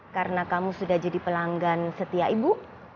karena kamu sudah jadi pelanggan setia ibu